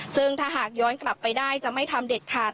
ซึ่งถ้าหากย้อนกลับไปได้จะไม่ทำเด็ดขาด